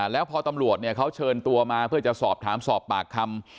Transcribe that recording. แล้วพอตำรวจเขาเชิญตัวมาเพื่อจะสอบถามสอบปากคำ